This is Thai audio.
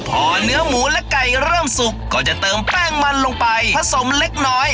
พอเนื้อหมูและไก่เริ่มสุกก็จะเติมแป้งมันลงไปผสมเล็กน้อย